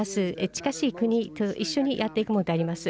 近しい国と一緒にやっていくものであります。